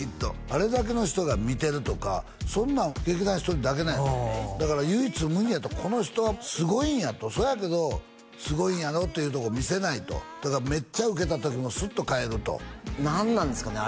あれだけの人が見てるとかそんなんは劇団ひとりだけなんやとだから唯一無二やとこの人はすごいんやとそうやけどすごいんやぞっていうとこを見せないとだからめっちゃウケた時もスッと帰ると何なんですかね